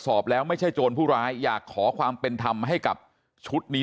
สอบแล้วไม่ใช่โจรผู้ร้ายอยากขอความเป็นธรรมให้กับชุดนี้